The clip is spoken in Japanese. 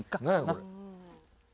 これ。